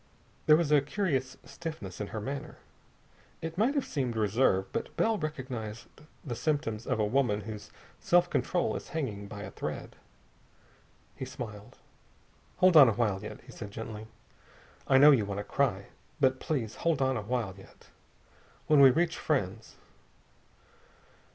There was a curious stiffness in her manner. It might have seemed reserve, but Bell recognized the symptoms of a woman whose self control is hanging by a thread. He smiled. "Hold on a while yet," he said gently. "I know you want to cry. But please hold on a while yet. When we reach friends...."